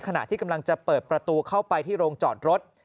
ขณะที่กำลังจะเปิดประตูเข้าไปที่โรงจอดรถ